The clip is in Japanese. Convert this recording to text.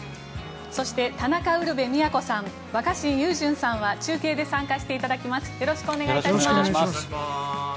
そして、田中ウルヴェ京さん若新雄純さんは中継で参加していただきます。